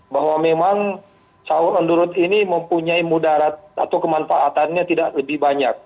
bahwa memang sahur on the road ini mempunyai mudarat atau kemanfaatannya tidak lebih banyak